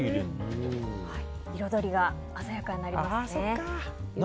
彩りが鮮やかになりますね。